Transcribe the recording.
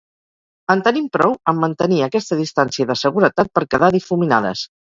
En tenim prou amb mantenir aquesta distància de seguretat per quedar difuminades.